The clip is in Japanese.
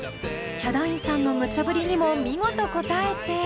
ヒャダインさんのむちゃ振りにも見事応えて。